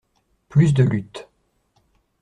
Plus de luttes.